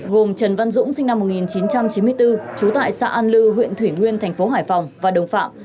gồm trần văn dũng sinh năm một nghìn chín trăm chín mươi bốn trú tại xã an lư huyện thủy nguyên thành phố hải phòng và đồng phạm